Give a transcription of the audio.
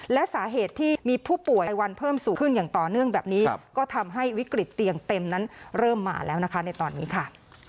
และสาเหตุที่มีผู้ป่วยวันเพิ่มสูงขึ้นอย่างต่อเนื่องแบบนี้ก็ทำให้วิกฤตเตียงเต็มนั้นเริ่มมาแล้วนะคะในตอนนี้ค่ะ